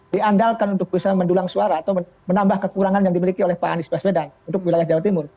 diandalkan untuk bisa mendulang suara atau menambah kekurangan yang dimiliki oleh pak anies baswedan untuk wilayah jawa timur